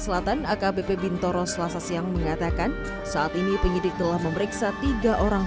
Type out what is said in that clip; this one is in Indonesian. selatan akbp bintoro selasa siang mengatakan saat ini penyidik telah memeriksa tiga orang